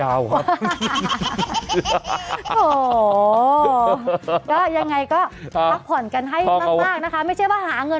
อ้าวอ่าว